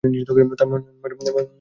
মনে হয় না তুই এটা পারবি।